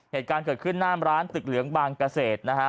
เหตุการณ์เกิดขึ้นหน้ามร้านตึกเหลืองบางเกษตรนะฮะ